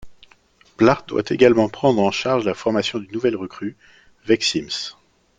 Blart doit également prendre en charge la formation d'une nouvelle recrue, Veck Simms.